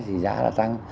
thì giá đã tăng